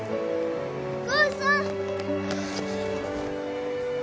お母さん！